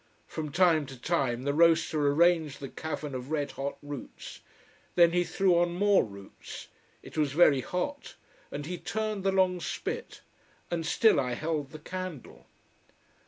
From time to time the roaster arranged the cavern of red hot roots. Then he threw on more roots. It was very hot. And he turned the long spit, and still I held the candle.